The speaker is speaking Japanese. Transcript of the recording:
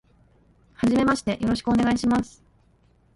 初めましてよろしくお願いします。